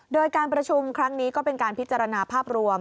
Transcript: โดยการประชุมครั้งนี้ก็เป็นการพิจารณาภาพรวม